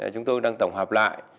chúng tôi đang tổng hợp lại